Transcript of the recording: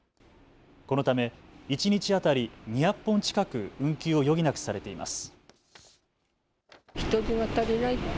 このため一日当たり２００本近く運休を余儀なくされています。